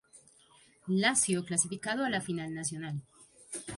Lazio clasificado a la Final Nacional.